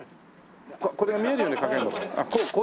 これが見えるように掛けるのかな？